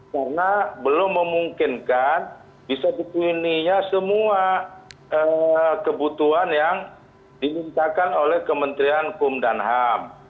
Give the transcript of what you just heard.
karena belum memungkinkan bisa dipunyai semua kebutuhan yang diminta oleh kementerian hukum dan ham